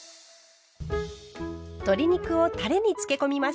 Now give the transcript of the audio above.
鶏肉をたれにつけ込みます。